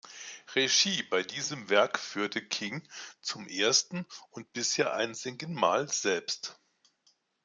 Regie bei diesem Werk führte King zum ersten und bisher einzigen Mal selbst.